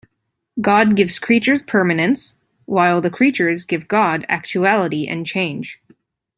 God gives creatures permanence, while the creatures give God actuality and change.